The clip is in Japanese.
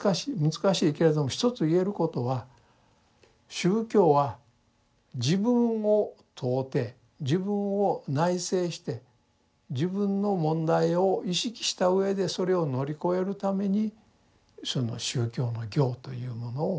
難しいけれども一つ言えることは宗教は自分を問うて自分を内省して自分の問題を意識したうえでそれを乗り越えるためにその宗教の行というものを求めると。